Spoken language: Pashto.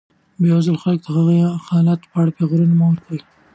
بېوزلو خلکو ته د هغوی د حالت په اړه پېغورونه مه ورکوئ.